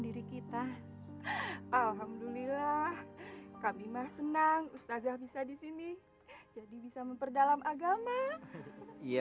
diri kita alhamdulillah kami mah senang ustazah bisa disini jadi bisa memperdalam agama iya iya